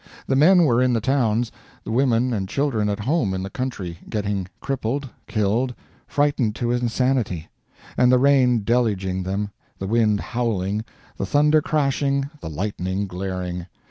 The men were in the towns, the women and children at home in the country getting crippled, killed, frightened to insanity; and the rain deluging them, the wind howling, the thunder crashing, the lightning glaring.